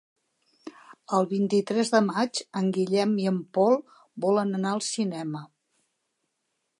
El vint-i-tres de maig en Guillem i en Pol volen anar al cinema.